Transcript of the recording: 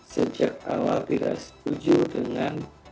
sejak awal tidak setuju dengan